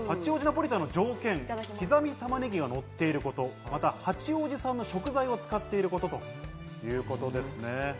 八王子ナポリタンの条件、刻み玉ねぎがのってること、八王子さんの食材を使っていることということです。